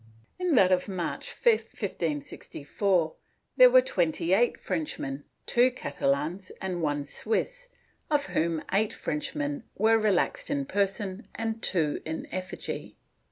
In that of March 5, 1564, there were twenty eight Frenchmen, two Catalans and one Swiss, of whom eight Frenchmen were relaxed in person and two in effigy.'